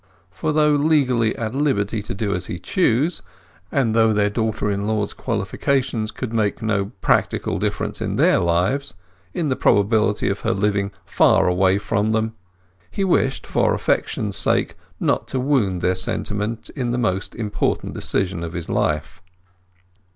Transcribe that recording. For though legally at liberty to do as he chose, and though their daughter in law's qualifications could make no practical difference to their lives, in the probability of her living far away from them, he wished for affection's sake not to wound their sentiment in the most important decision of his life.